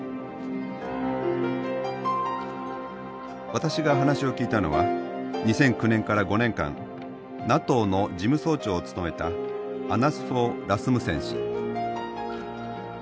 私が話を聞いたのは２００９年から５年間ＮＡＴＯの事務総長を務めたアナス・フォー・ラスムセン氏。